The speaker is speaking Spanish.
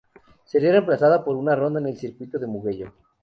Sería reemplazada por una ronda en el Circuito de Mugello.